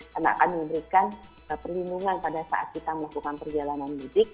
karena akan memberikan perlindungan pada saat kita melakukan perjalanan mudik